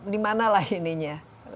dimana lah ininya